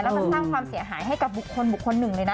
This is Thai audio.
มันสร้างความเสียหายให้กับบุคคลบุคคลหนึ่งเลยนะ